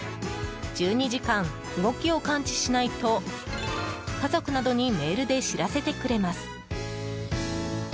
１２時間動きを感知しないと家族などにメールで知らせてくれます。